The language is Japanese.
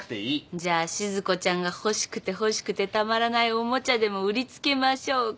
じゃあしず子ちゃんが欲しくて欲しくてたまらないおもちゃでも売り付けましょうか。